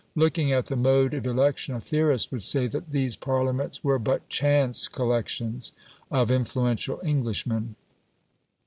Looking at the mode of election a theorist would say that these Parliaments were but "chance" collections of influential Englishmen.